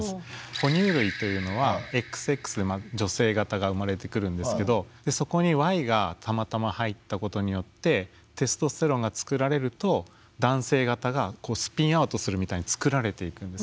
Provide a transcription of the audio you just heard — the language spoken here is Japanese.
ほ乳類というのはＸＸで女性型が生まれてくるんですけどそこにＹがたまたま入ったことによってテストステロンが作られると男性型がスピンアウトするみたいに作られていくんです。